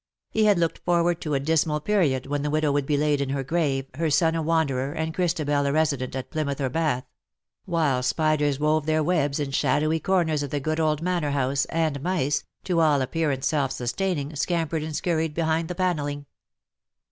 He had looked forward to a dismal period when the widow would be laid in her grave, her son a wanderer, and Christabel a resident at Plymouth or Bath; while spiders wove their webs 124: in shadowy corners of the good old Manor House, and mice_, to all appearance self sustaining, scampered and scurried behind the panelling.